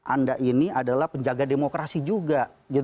anda ini adalah penjaga demokrasi juga